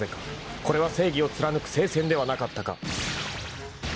［これは正義を貫く聖戦ではなかったか？］